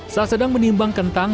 saat sedang menimbang kentang